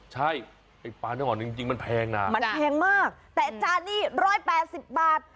ใช่ไอ้ปลาน้ำอ่อนจริงมันแพงนะมันแพงมากแต่จานนี้๑๘๐บาท